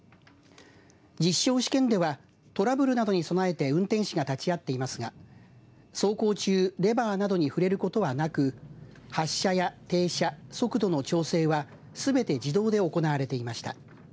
実証試験ではトラブルなどに備えて運転士が立ち会っていますが走行中、レバーなどに触れることはなく発車や停車速度の調整はすべて自動で行われていました。